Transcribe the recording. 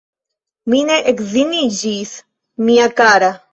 Mi ne edziniĝis, mia kara!